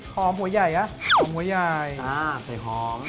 หอมหัวใหญ่น่ะหอมหัวใหญ่อ่าใส่หอม